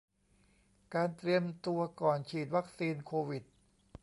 การเตรียมตัวก่อนฉีดวัคซีนโควิด